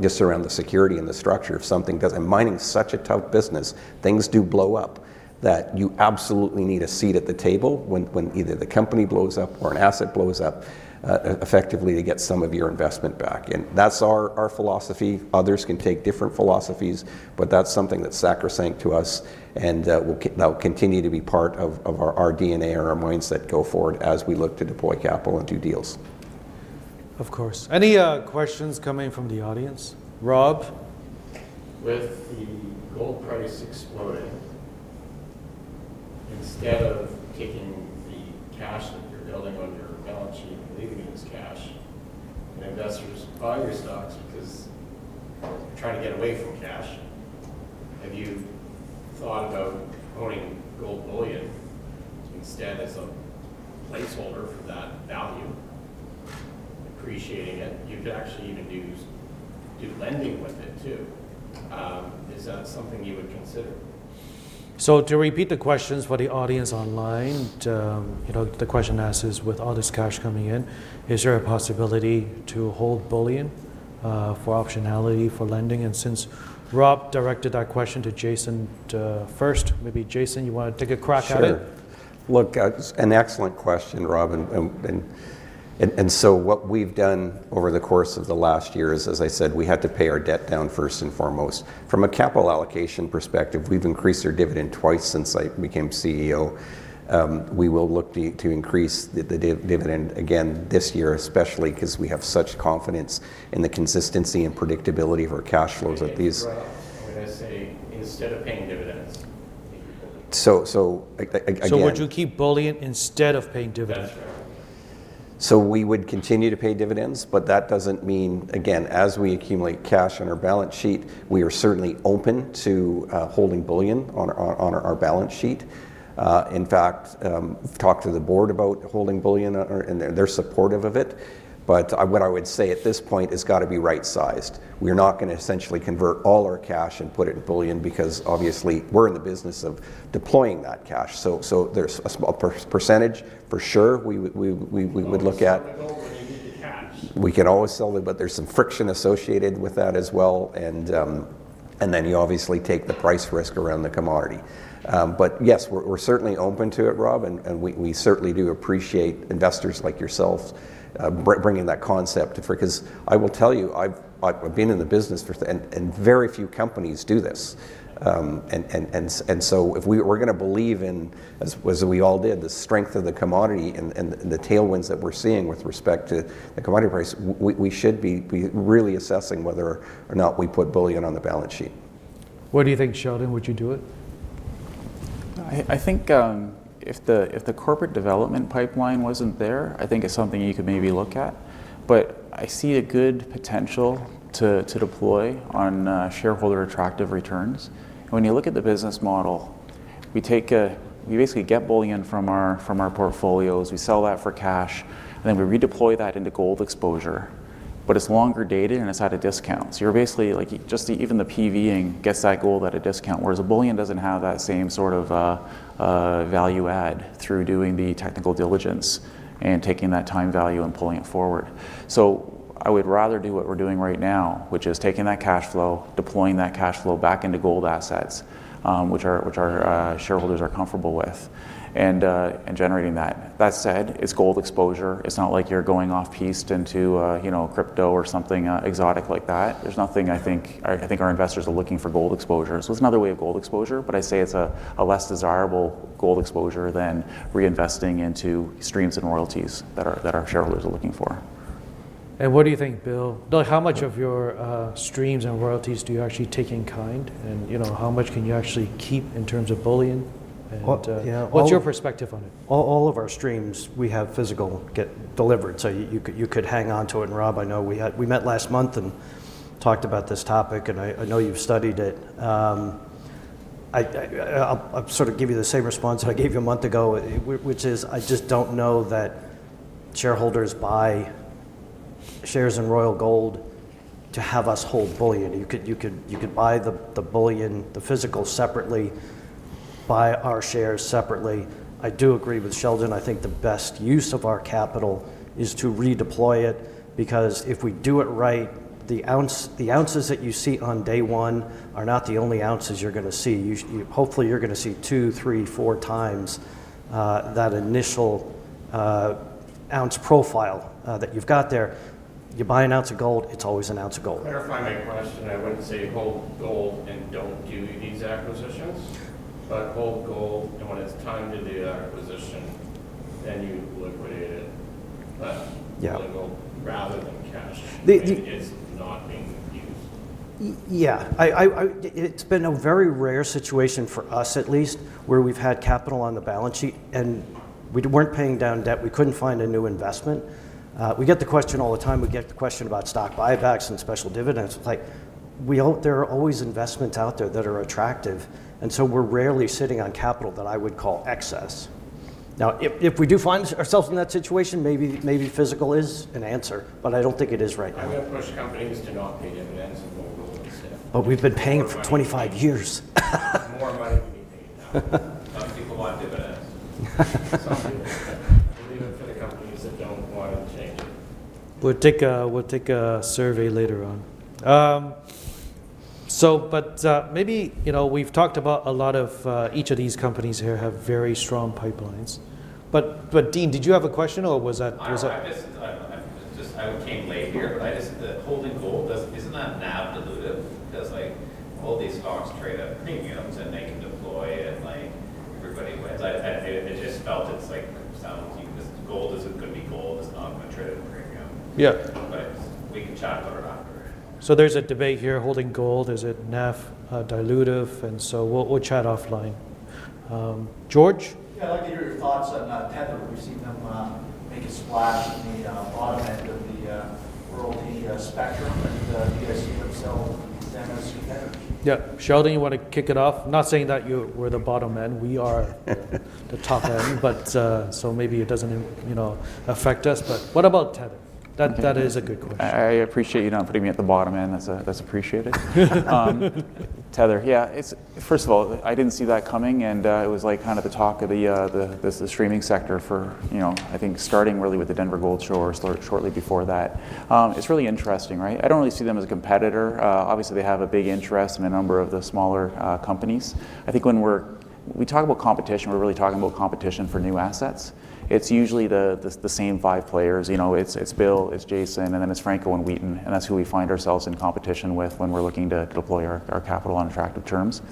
[SPEAKER 2] just around the security and the structure, if something does, and mining is such a tough business, things do blow up that you absolutely need a seat at the table when either the company blows up or an asset blows up effectively to get some of your investment back. And that's our philosophy. Others can take different philosophies, but that's something that's sacrosanct to us. We'll continue to be part of our DNA or our mindset go forward as we look to deploy capital and do deals.
[SPEAKER 1] Of course. Any questions coming from the audience? Rob?
[SPEAKER 5] With the gold price exploding, instead of taking the cash that you're building on your balance sheet and leaving it as cash, and investors buy your stocks because they're trying to get away from cash, have you thought about owning gold bullion instead as a placeholder for that value, appreciating it? You could actually even do lending with it too. Is that something you would consider?
[SPEAKER 3] So, to repeat the questions for the audience online, the question asks is, with all this cash coming in, is there a possibility to hold bullion for optionality for lending? And since Rob directed that question to Jason first, maybe Jason, you want to take a crack at it?
[SPEAKER 2] Sure. Look, an excellent question, Rob, and so what we've done over the course of the last year is, as I said, we had to pay our debt down first and foremost. From a capital allocation perspective, we've increased our dividend twice since I became CEO. We will look to increase the dividend again this year, especially because we have such confidence in the consistency and predictability of our cash flows at these.
[SPEAKER 5] Right. I mean, I say instead of paying dividends.
[SPEAKER 2] So again.
[SPEAKER 1] Would you keep bullion instead of paying dividends?
[SPEAKER 2] That's right. So we would continue to pay dividends, but that doesn't mean, again, as we accumulate cash on our balance sheet, we are certainly open to holding bullion on our balance sheet. In fact, we've talked to the board about holding bullion, and they're supportive of it. But what I would say at this point is got to be right-sized. We're not going to essentially convert all our cash and put it in bullion because obviously we're in the business of deploying that cash. So there's a small percentage for sure we would look at. You can always sell it when you need the cash. We can always sell it, but there's some friction associated with that as well. And then you obviously take the price risk around the commodity. But yes, we're certainly open to it, Rob. And we certainly do appreciate investors like yourself bringing that concept to because I will tell you, I've been in the business for, and very few companies do this. And so if we're going to believe in, as we all did, the strength of the commodity and the tailwinds that we're seeing with respect to the commodity price, we should be really assessing whether or not we put bullion on the balance sheet.
[SPEAKER 1] What do you think, Sheldon? Would you do it?
[SPEAKER 4] I think if the corporate development pipeline wasn't there, I think it's something you could maybe look at. But I see a good potential to deploy on shareholder attractive returns. And when you look at the business model, we basically get bullion from our portfolios. We sell that for cash, and then we redeploy that into gold exposure. But it's longer dated, and it's at a discount. So you're basically like just even the PVing gets that gold at a discount, whereas a bullion doesn't have that same sort of value add through doing the technical diligence and taking that time value and pulling it forward. So I would rather do what we're doing right now, which is taking that cash flow, deploying that cash flow back into gold assets, which our shareholders are comfortable with, and generating that. That said, it's gold exposure. It's not like you're going off-piste into crypto or something exotic like that. There's nothing. I think our investors are looking for gold exposure, so it's another way of gold exposure, but I say it's a less desirable gold exposure than reinvesting into streams and royalties that our shareholders are looking for.
[SPEAKER 1] And what do you think, Bill? Bill, how much of your streams and royalties do you actually take in kind? And how much can you actually keep in terms of bullion? And what's your perspective on it?
[SPEAKER 4] All of our streams, we have physical gold delivered. So you could hang on to it. Rob, I know we met last month and talked about this topic, and I know you've studied it. I'll sort of give you the same response I gave you a month ago, which is I just don't know that shareholders buy shares in Royal Gold to have us hold bullion. You could buy the bullion, the physical separately, buy our shares separately. I do agree with Sheldon. I think the best use of our capital is to redeploy it because if we do it right, the ounces that you see on day one are not the only ounces you're going to see. Hopefully, you're going to see two, three, four times that initial ounce profile that you've got there. You buy an ounce of gold, it's always an ounce of gold.
[SPEAKER 5] Clarifying my question, I wouldn't say hold gold and don't do these acquisitions, but hold gold, and when it's time to do the acquisition, then you liquidate it. But rather than cash, it's not being used.
[SPEAKER 4] Yeah. It's been a very rare situation for us, at least, where we've had capital on the balance sheet, and we weren't paying down debt. We couldn't find a new investment. We get the question all the time. We get the question about stock buybacks and special dividends. It's like there are always investments out there that are attractive. And so we're rarely sitting on capital that I would call excess. Now, if we do find ourselves in that situation, maybe physical is an answer, but I don't think it is right now.
[SPEAKER 5] I've got to push companies to not pay dividends and hold gold instead.
[SPEAKER 4] But we've been paying for 25 years.
[SPEAKER 5] More money to be paid now. Some people want dividends. Some people. Even for the companies that don't want to change it.
[SPEAKER 1] We'll take a survey later on. But maybe we've talked about a lot of each of these companies here have very strong pipelines. But Dean, did you have a question or was that?
[SPEAKER 6] No, I just came late here, but I just holding gold, isn't that NAV dilutive? Because all these stocks trade at premiums, and they can deploy, and everybody wins. I just felt it sounds gold isn't going to be gold. It's not going to trade at a premium. But we can chat about it after.
[SPEAKER 1] So there's a debate here. Holding gold, is it NAV dilutive? And so we'll chat offline. George.
[SPEAKER 6] Yeah, I'd like to hear your thoughts on Tether. We've seen them make a splash in the bottom end of the royalty spectrum. And do you guys see them sell them as leaders?
[SPEAKER 1] Yeah. Sheldon, you want to kick it off? Not saying that you were the bottom end. We are the top end, so maybe it doesn't affect us. But what about Tether? That is a good question.
[SPEAKER 4] I appreciate you not putting me at the bottom end. That's appreciated. Tether, yeah. First of all, I didn't see that coming, and it was kind of the talk of the streaming sector for, I think, starting really with the Denver Gold Show or shortly before that. It's really interesting, right? I don't really see them as a competitor. Obviously, they have a big interest in a number of the smaller companies. I think when we talk about competition, we're really talking about competition for new assets. It's usually the same five players. It's Bill, it's Jason, and then it's Franco and Wheaton, and that's who we find ourselves in competition with when we're looking to deploy our capital on attractive terms.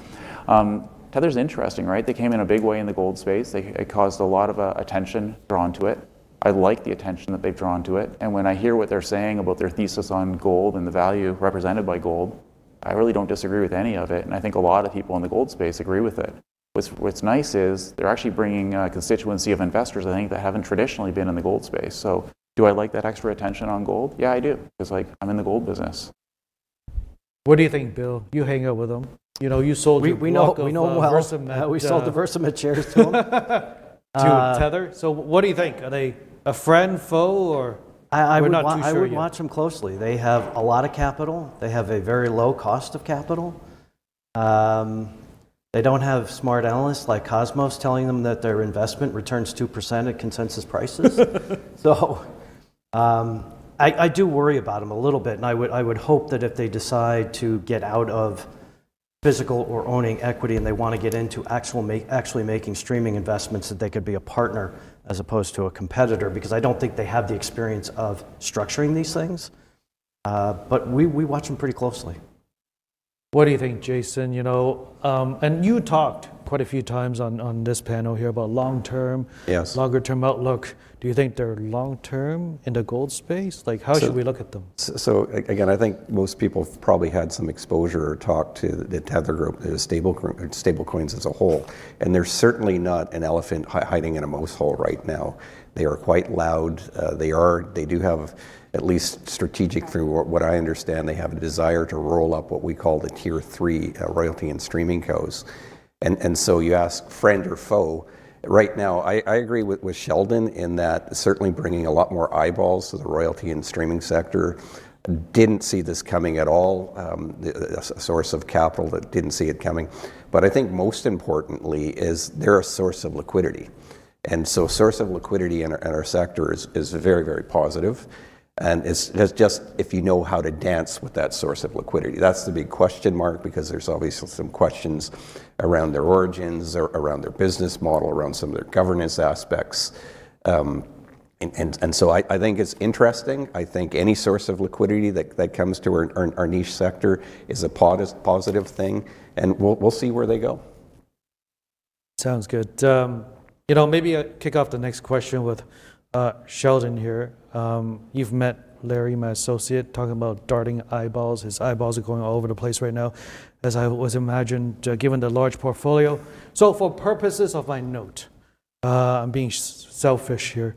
[SPEAKER 4] Tether's interesting, right? They came in a big way in the gold space. It caused a lot of attention drawn to it. I like the attention that they've drawn to it. And when I hear what they're saying about their thesis on gold and the value represented by gold, I really don't disagree with any of it. And I think a lot of people in the gold space agree with it. What's nice is they're actually bringing a constituency of investors, I think, that haven't traditionally been in the gold space. So do I like that extra attention on gold? Yeah, I do, because I'm in the gold business.
[SPEAKER 1] What do you think, Bill? You hang out with them. You sold.
[SPEAKER 3] We know him well. We sold the Versamet shares to him.
[SPEAKER 1] To Tether? So what do you think? Are they a friend, foe, or not too sure?
[SPEAKER 3] I would watch them closely. They have a lot of capital. They have a very low cost of capital. They don't have smart analysts like Cosmos telling them that their investment returns 2% at consensus prices. So I do worry about them a little bit. And I would hope that if they decide to get out of physical or owning equity and they want to get into actually making streaming investments, that they could be a partner as opposed to a competitor, because I don't think they have the experience of structuring these things. But we watch them pretty closely.
[SPEAKER 1] What do you think, Jason? And you talked quite a few times on this panel here about long-term, longer-term outlook. Do you think they're long-term in the gold space? How should we look at them?
[SPEAKER 2] So again, I think most people probably had some exposure or talk to the Tether group, the stablecoins as a whole. And they're certainly not an elephant hiding in a mouse hole right now. They are quite loud. They do have at least strategically, from what I understand, they have a desire to roll up what we call the tier three royalty and streaming companies. And so you ask friend or foe, right now, I agree with Sheldon in that certainly bringing a lot more eyeballs to the royalty and streaming sector. Didn't see this coming at all, a source of capital that didn't see it coming. But I think most importantly is they're a source of liquidity. And so a source of liquidity in our sector is very, very positive. And it's just if you know how to dance with that source of liquidity. That's the big question mark because there's obviously some questions around their origins, around their business model, around some of their governance aspects, and so I think it's interesting. I think any source of liquidity that comes to our niche sector is a positive thing, and we'll see where they go.
[SPEAKER 1] Sounds good. Maybe I'll kick off the next question with Sheldon here. You've met Larry, my associate, talking about darting eyeballs. His eyeballs are going all over the place right now, as I imagined, given the large portfolio. So for purposes of my note, I'm being selfish here.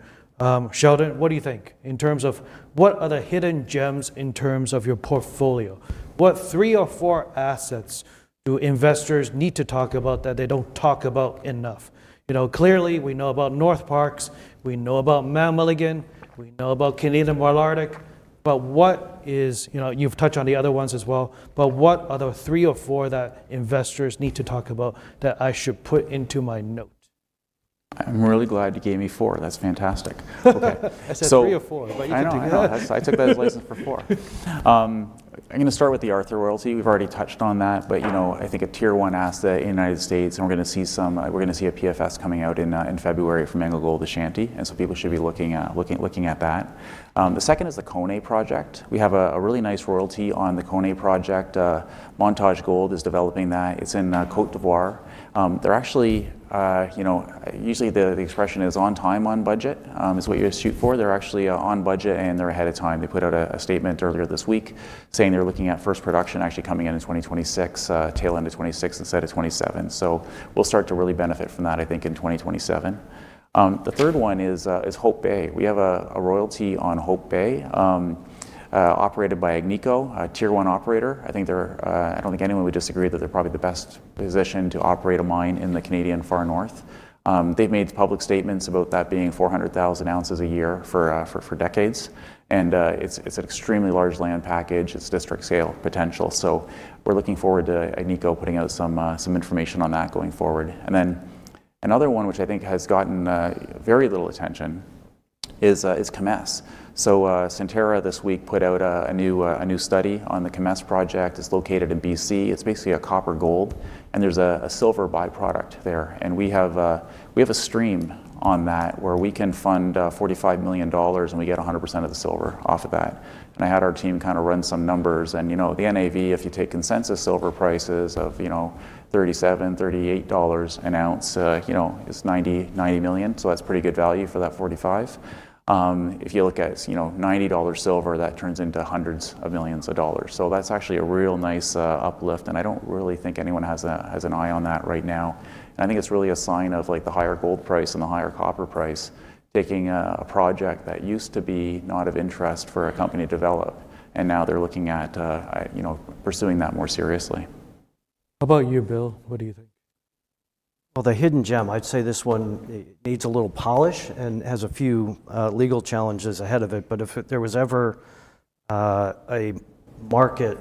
[SPEAKER 1] Sheldon, what do you think in terms of what are the hidden gems in terms of your portfolio? What three or four assets do investors need to talk about that they don't talk about enough? Clearly, we know about Northparkes. We know about Mount Milligan. We know about Canadian Malartic. But what, as you've touched on the other ones as well. But what are the three or four that investors need to talk about that I should put into my note?
[SPEAKER 4] I'm really glad you gave me four. That's fantastic.
[SPEAKER 1] I said three or four, but you kind of.
[SPEAKER 4] I took that as a license for four. I'm going to start with the Arthur royalty. We've already touched on that, but I think a Tier 1 asset in the United States, and we're going to see a PFS coming out in February from AngloGold Ashanti. And so people should be looking at that. The second is the Koné project. We have a really nice royalty on the Koné project. Montage Gold is developing that. It's in Côte d'Ivoire. They're actually usually the expression is on time on budget is what you shoot for. They're actually on budget, and they're ahead of time. They put out a statement earlier this week saying they're looking at first production actually coming in 2026, tail end of 2026 instead of 2027. So we'll start to really benefit from that, I think, in 2027. The third one is Hope Bay. We have a royalty on Hope Bay operated by Agnico, a Tier 1 operator. I don't think anyone would disagree that they're probably the best position to operate a mine in the Canadian far north. They've made public statements about that being 400,000 ounces a year for decades, and it's an extremely large land package. It's district scale potential, so we're looking forward to Agnico putting out some information on that going forward, and then another one, which I think has gotten very little attention, is Kemess. So Centerra this week put out a new study on the Kemess project. It's located in BC. It's basically a copper gold, and there's a silver byproduct there. And we have a stream on that where we can fund $45 million, and we get 100% of the silver off of that. I had our team kind of run some numbers. The NAV, if you take consensus silver prices of $37-$38 an ounce, is $90 million. That's pretty good value for that $45. If you look at $90 silver, that turns into hundreds of millions of dollars. That's actually a real nice uplift. I don't really think anyone has an eye on that right now. I think it's really a sign of the higher gold price and the higher copper price taking a project that used to be not of interest for a company to develop. Now they're looking at pursuing that more seriously.
[SPEAKER 1] How about you, Bill? What do you think?
[SPEAKER 3] The hidden gem, I'd say this one needs a little polish and has a few legal challenges ahead of it. But if there was ever a market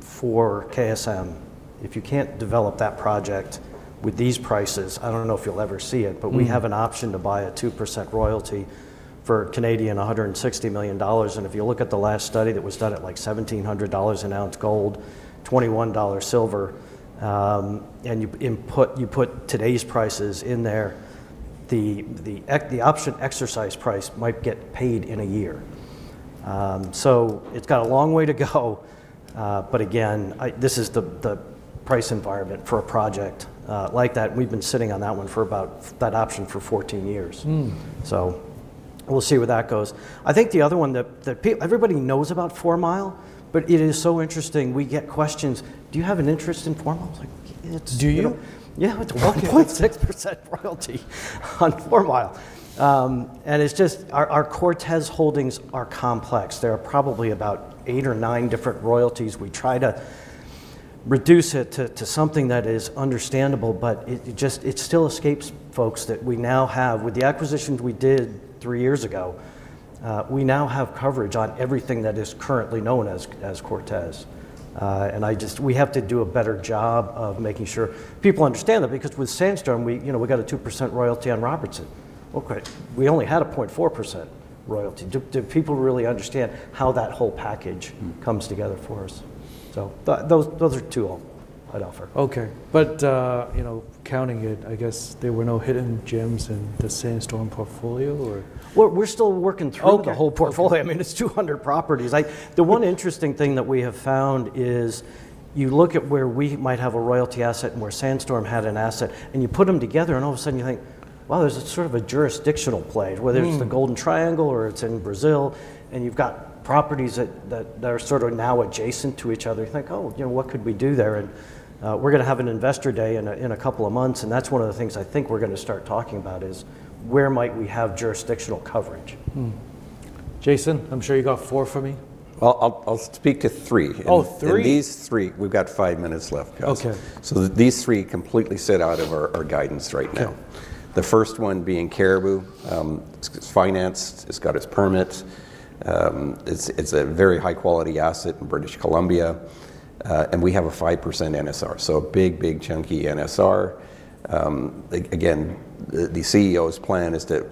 [SPEAKER 3] for KSM, if you can't develop that project with these prices, I don't know if you'll ever see it, but we have an option to buy a 2% royalty for 160 million Canadian dollars. And if you look at the last study that was done at like $1,700 an ounce gold, $21 silver, and you put today's prices in there, the option exercise price might get paid in a year. So it's got a long way to go. But again, this is the price environment for a project like that. We've been sitting on that one for about that option for 14 years. So we'll see where that goes. I think the other one that everybody knows about Fourmile, but it is so interesting. We get questions. Do you have an interest in Fourmile? It's 6% royalty on Fourmile. And it's just our Cortez holdings are complex. There are probably about eight or nine different royalties. We try to reduce it to something that is understandable, but it still escapes folks that we now have with the acquisitions we did three years ago. We now have coverage on everything that is currently known as Cortez. We have to do a better job of making sure people understand that because with Sandstorm, we got a 2% royalty on Robertson. We only had a 0.4% royalty. Do people really understand how that whole package comes together for us? Those are two I'd offer.
[SPEAKER 1] Okay, but counting it, I guess there were no hidden gems in the Sandstorm portfolio, or?
[SPEAKER 3] We're still working through the whole portfolio. I mean, it's 200 properties. The one interesting thing that we have found is you look at where we might have a royalty asset and where Sandstorm had an asset, and you put them together, and all of a sudden you think, wow, there's a sort of a jurisdictional play where there's the Golden Triangle or it's in Brazil, and you've got properties that are sort of now adjacent to each other. You think, oh, what could we do there? And we're going to have an investor day in a couple of months. And that's one of the things I think we're going to start talking about is where might we have jurisdictional coverage?
[SPEAKER 1] Jason, I'm sure you got four for me.
[SPEAKER 2] I'll speak to three.
[SPEAKER 1] Oh, three?
[SPEAKER 2] And these three, we've got five minutes left, guys. So these three completely sit out of our guidance right now. The first one being Cariboo. It's financed. It's got its permits. It's a very high-quality asset in British Columbia. And we have a 5% NSR, so a big, big chunky NSR. Again, the CEO's plan is to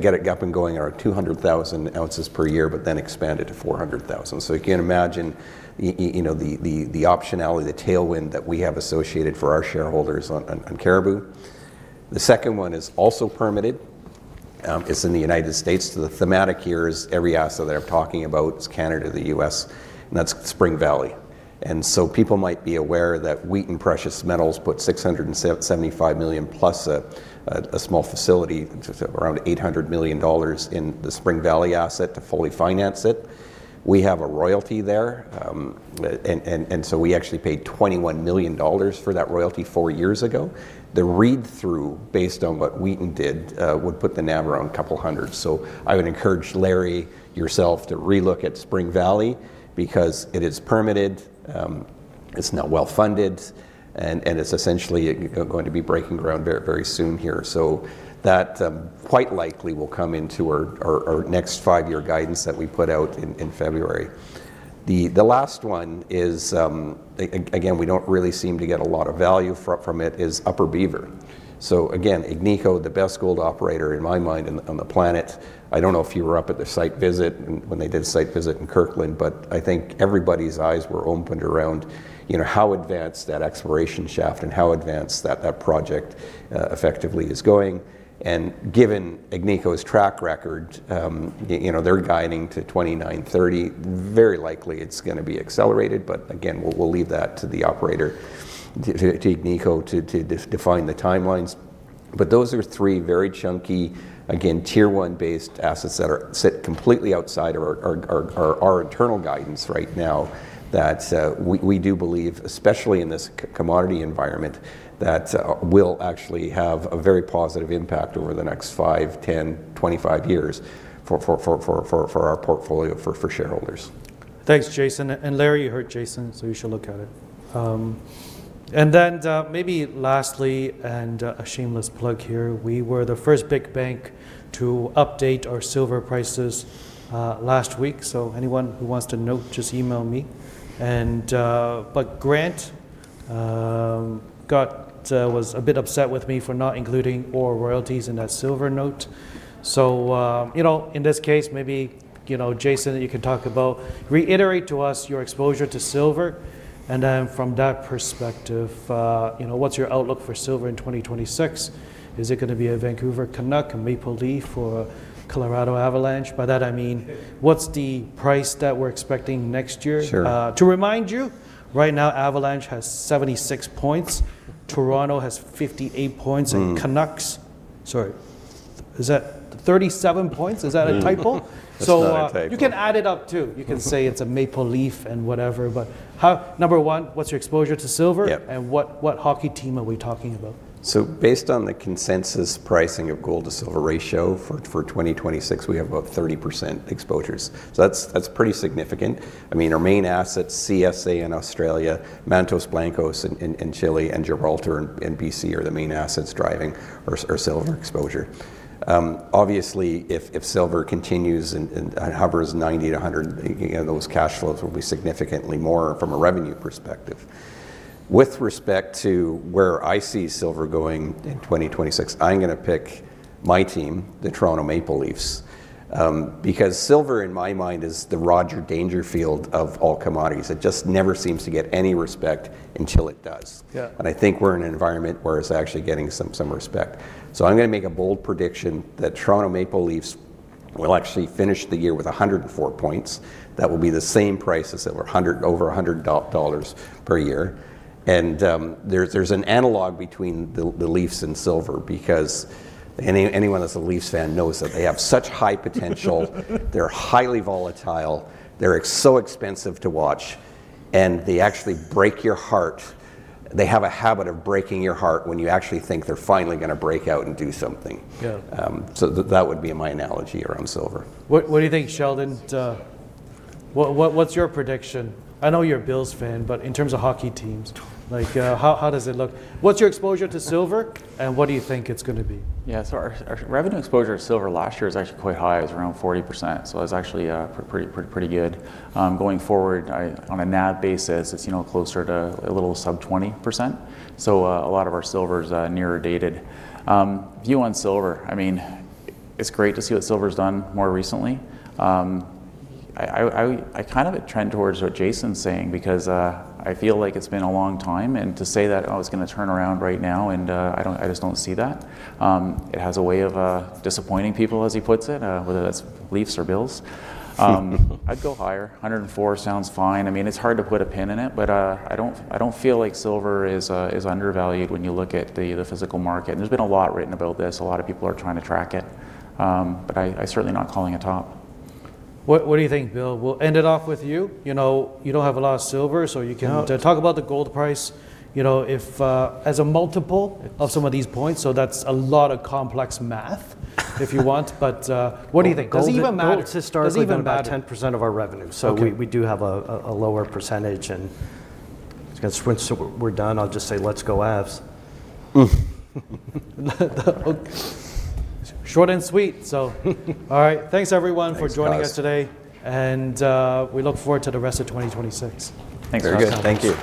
[SPEAKER 2] get it up and going at 200,000 ounces per year, but then expand it to 400,000. So you can imagine the optionality, the tailwind that we have associated for our shareholders on Cariboo. The second one is also permitted. It's in the United States. The thematic here is every asset that I'm talking about is Canada, the US, and that's Spring Valley. And so people might be aware that Wheaton Precious Metals put $675 million plus a small facility, around $800 million in the Spring Valley asset to fully finance it. We have a royalty there. And so we actually paid $21 million for that royalty four years ago. The read-through based on what Wheaton did would put the NAV around a couple hundred. So I would encourage Larry, yourself, to relook at Spring Valley because it is permitted. It's now well-funded, and it's essentially going to be breaking ground very soon here. So that quite likely will come into our next five-year guidance that we put out in February. The last one is, again, we don't really seem to get a lot of value from it, is Upper Beaver. So again, Agnico, the best gold operator in my mind on the planet. I don't know if you were up at the site visit when they did the site visit in Kirkland, but I think everybody's eyes were opened around how advanced that exploration shaft and how advanced that project effectively is going. And given Agnico's track record, they're guiding to 2,930. Very likely it's going to be accelerated, but again, we'll leave that to the operator, to Agnico, to define the timelines. But those are three very chunky, again, tier one-based assets that sit completely outside of our internal guidance right now that we do believe, especially in this commodity environment, that will actually have a very positive impact over the next five, 10, 25 years for our portfolio for shareholders.
[SPEAKER 1] Thanks, Jason. And Larry, you heard Jason, so you should look at it. And then maybe lastly, and a shameless plug here, we were the first big bank to update our silver prices last week. So anyone who wants the note, just email me. But Grant was a bit upset with me for not including OR royalties in that silver note. So in this case, maybe Jason, you can talk about reiterate to us your exposure to silver. And then from that perspective, what's your outlook for silver in 2026? Is it going to be a Vancouver Canucks, Maple Leafs, or Colorado Avalanche? By that, I mean, what's the price that we're expecting next year? To remind you, right now, Avalanche has 76 points. Toronto has 58 points. And Canuck, sorry, is that 37 points? Is that a typo? So you can add it up too. You can say it's a Maple Leafs and whatever, but number one, what's your exposure to silver and what hockey team are we talking about?
[SPEAKER 2] Based on the consensus pricing of gold to silver ratio for 2026, we have about 30% exposures. That's pretty significant. I mean, our main assets, CSA in Australia, Mantos Blancos in Chile, and Gibraltar in BC are the main assets driving our silver exposure. Obviously, if silver continues and hovers 90-100, those cash flows will be significantly more from a revenue perspective. With respect to where I see silver going in 2026, I'm going to pick my team, the Toronto Maple Leafs, because silver, in my mind, is the Rodney Dangerfield of all commodities. It just never seems to get any respect until it does. I think we're in an environment where it's actually getting some respect. I'm going to make a bold prediction that Toronto Maple Leafs will actually finish the year with 104 points. That will be the same prices that were over $100 per year. And there's an analogy between the Leafs and silver because anyone that's a Leafs fan knows that they have such high potential. They're highly volatile. They're so expensive to watch. And they actually break your heart. They have a habit of breaking your heart when you actually think they're finally going to break out and do something. So that would be my analogy around silver.
[SPEAKER 1] What do you think, Sheldon? What's your prediction? I know you're a Bills fan, but in terms of hockey teams, how does it look? What's your exposure to silver, and what do you think it's going to be?
[SPEAKER 4] Yeah, so our revenue exposure to silver last year was actually quite high. It was around 40%. So it was actually pretty good. Going forward, on a NAV basis, it's closer to a little sub 20%. So a lot of our silver is near dated. View on silver, I mean, it's great to see what silver has done more recently. I kind of trend towards what Jason's saying because I feel like it's been a long time. And to say that I was going to turn around right now, and I just don't see that. It has a way of disappointing people, as he puts it, whether that's Leafs or Bills. I'd go higher. 104 sounds fine. I mean, it's hard to put a pin in it, but I don't feel like silver is undervalued when you look at the physical market. And there's been a lot written about this. A lot of people are trying to track it. But I'm certainly not calling a top.
[SPEAKER 1] What do you think, Bill? We'll end it off with you. You don't have a lot of silver, so you can talk about the gold price as a multiple of some of these points. So that's a lot of complex math, if you want. But what do you think?
[SPEAKER 3] Does it even matter to start with?
[SPEAKER 1] Does it even matter?
[SPEAKER 3] It's about 10% of our revenue. So we do have a lower percentage, and it's going to switch, so we're done. I'll just say, let's go Avs.
[SPEAKER 1] Short and sweet. All right. Thanks, everyone, for joining us today, and we look forward to the rest of 2026.
[SPEAKER 2] Thanks very much.
[SPEAKER 1] Thank you.